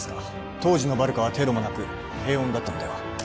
当時のバルカはテロもなく平穏だったのでは？